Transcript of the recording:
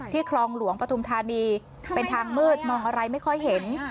คลองหลวงปฐุมธานีเป็นทางมืดมองอะไรไม่ค่อยเห็น